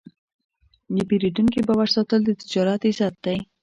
د پیرودونکي باور ساتل د تجارت عزت دی.